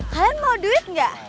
kalian mau duit enggak